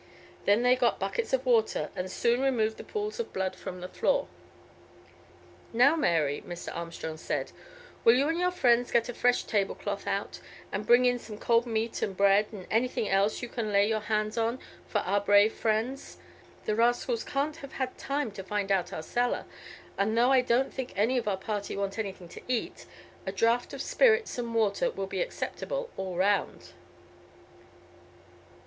They then got buckets of water and soon removed the pools of blood from the floor. "Now, Mary," Mr. Armstrong said, "will you and your friends get a fresh table cloth out, and bring in some cold meat and bread and anything else that you can lay your hands on, for our brave friends? The rascals can't have had time to find out our cellar, and though I don't think any of our party want anything to eat, a draught of spirits and water will be acceptable all round."